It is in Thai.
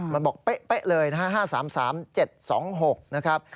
มันบอกเป๊ะเลยนะฮะ๕๓๓๗๒๖นะครับ